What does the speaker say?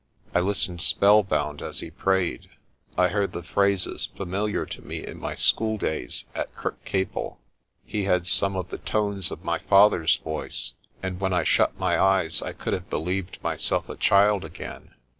I listened spellbound as he prayed. I heard the phrases familiar to me in my schooldays at Kirkcaple. He had some of the tones of my father's voice, and when I shut my eyes I could have believed myself a child again.